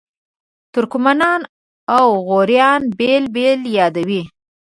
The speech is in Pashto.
ترکمنان او غوریان بېل بېل یادوي.